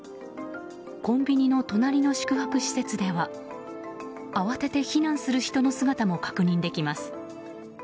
コンビニの隣の宿泊施設では慌てて避難する人の姿も確認できます。